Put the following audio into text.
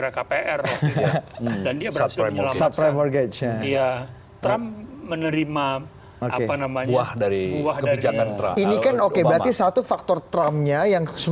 waktu dia terpilih amerika sudah mengalami krisis apa finansial